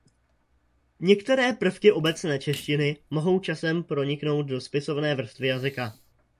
Některé prvky obecné češtiny mohou časem proniknout do spisovné vrstvy jazyka.